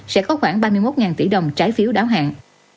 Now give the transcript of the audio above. sẽ có khoảng ba mươi một tỷ đồng trái phiếu đáo hạn